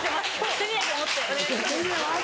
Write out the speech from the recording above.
手土産持ってお願いします。